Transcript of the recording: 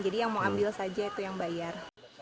jadi yang mau ambil saja itu yang bayar